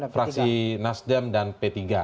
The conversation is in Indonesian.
fraksi nasdem dan p tiga